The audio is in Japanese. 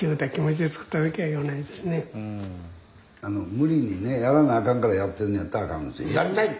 無理にねやらなあかんからやってんねやったらあかんですよ。